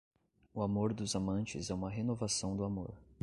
O amor dos amantes é uma renovação do amor.